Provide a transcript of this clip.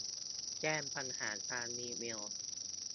แจ้งปัญหาทางอีเมล